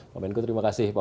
pak menko terima kasih